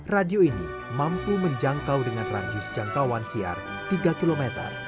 radio ini mampu menjangkau dengan radius jangkauan siar tiga km